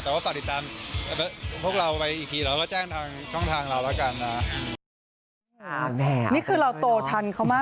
แต่ว่าฝากติดตามพวกเราอีกทีหรืออะไร